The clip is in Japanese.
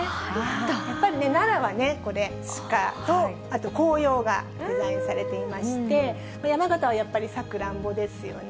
やっぱりね、奈良はね、これ、鹿と紅葉がデザインされていまして、山形はやっぱりサクランボですよね。